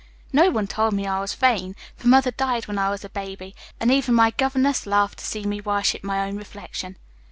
No one told me I was vain, for Mother died when I was a baby, and even my governess laughed to see me worship my own reflection.